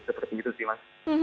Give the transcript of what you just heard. seperti itu sih mas